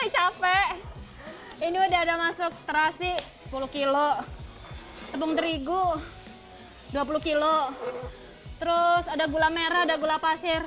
capek ini udah ada masuk terasi sepuluh kilo tepung terigu dua puluh kilo terus ada gula merah ada gula pasir